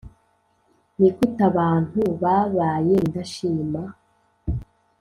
ni gute abantu babaye indashima?